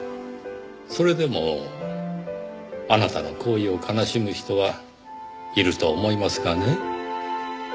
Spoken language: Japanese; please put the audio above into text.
それでもあなたの行為を悲しむ人はいると思いますがね。